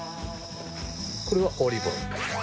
これはオリーブオイル。